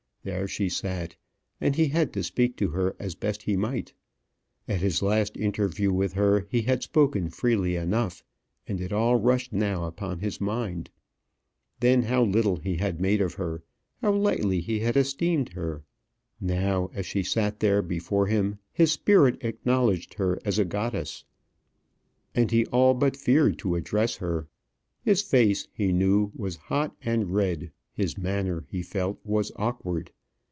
There she sat, and he had to speak to her as best he might. At his last interview with her he had spoken freely enough, and it all rushed now upon his mind. Then how little he had made of her, how lightly he had esteemed her! Now, as she sat there before him his spirit acknowledged her as a goddess, and he all but feared to address her. His face, he knew, was hot and red; his manner, he felt, was awkward.